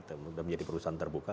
dan menjadi perusahaan terbuka